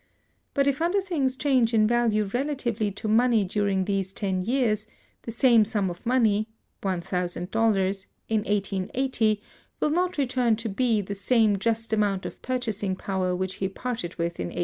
But, if other things change in value relatively to money during these ten years, the same sum of money—$1,000—in 1880 will not return to B the same just amount of purchasing power which he parted with in 1870.